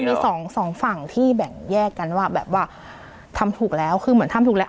มีสองสองฝั่งที่แบ่งแยกกันว่าแบบว่าทำถูกแล้วคือเหมือนทำถูกแล้ว